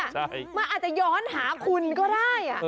มันอาจจะย้อนหาคุณก็ได้